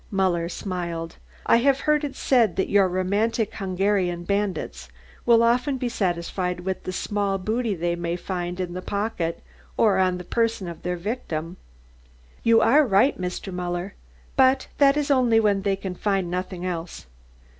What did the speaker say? Muller smiled. "I have heard it said that your romantic Hungarian bandits will often be satisfied with the small booty they may find in the pocket or on the person of their victim." "You are right, Mr. Muller. But that is only when they can find nothing else."